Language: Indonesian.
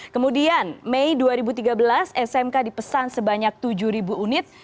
kemudian mei dua ribu tiga belas smk dipesan sebanyak tujuh unit